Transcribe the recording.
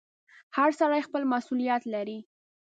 • هر سړی خپل مسؤلیت لري.